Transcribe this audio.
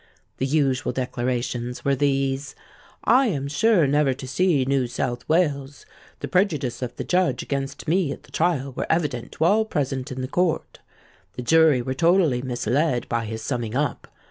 The usual declarations were these:—'I am sure never to see New South Wales. The prejudice of the judge against me at the trial were evident to all present in the court. The jury were totally misled by his summing up.